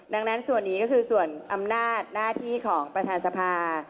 ดังนั้นส่วนนี้ก็คือส่วนอำนาจหน้าที่ของประธานสภา